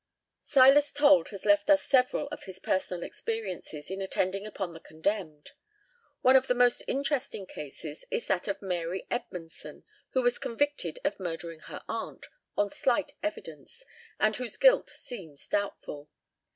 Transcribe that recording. Silas Told has left us several of his personal experiences in attending upon the condemned. One of the most interesting cases is that of Mary Edmonson, who was convicted of murdering her aunt, on slight evidence, and whose guilt seems doubtful.